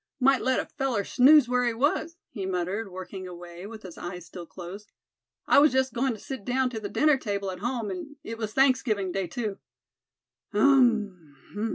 "Might let a feller snooze where he was," he muttered, working away, with his eyes still closed. "I was just goin' to sit down to the dinner table at home, an' it was Thanksgiving day too. Um!